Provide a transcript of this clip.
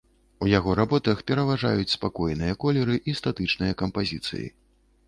У яго работах пераважаюць спакойныя колеры і статычныя кампазіцыі.